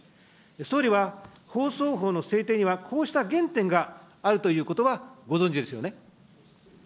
総理は放送法の制定には、こうした原点があるということはご存じですよね。